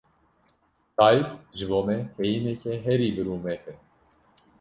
Dayîk, ji bo me heyîneke herî birûmet e.